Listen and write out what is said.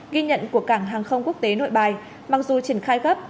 ghi nhận của cảng hàng không quốc tế nội bài mặc dù triển khai gấp